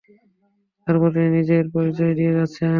তারপর তিনি নিজের পরিচয় দিয়ে যাচ্ছেন, তাঁর নাম মিলন কৃষ্ণ তালুকদার।